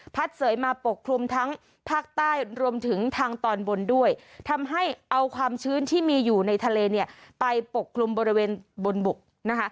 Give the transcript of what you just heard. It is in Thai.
เสยมาปกคลุมทั้งภาคใต้รวมถึงทางตอนบนด้วยทำให้เอาความชื้นที่มีอยู่ในทะเลเนี่ยไปปกคลุมบริเวณบนบกนะคะ